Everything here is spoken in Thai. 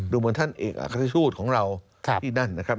เหมือนท่านเอกอัคชูตของเราที่นั่นนะครับ